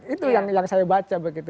itu yang saya baca begitu